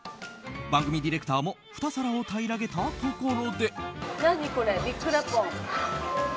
番組ディレクターも２皿を平らげたところで。